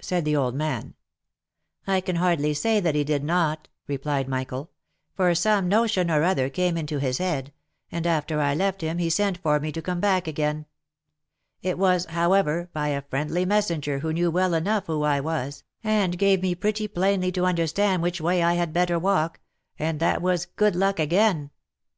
said the old man. " I can hardly say that he did not," replied Michael ;*' for some no tion or other came into his head, and after I left him he sent for me to come back again. It was, however, by a friendly messenger who knew well enough who I was, and gave me pretty plainly to understand which way I had better walk — and that was good luck again.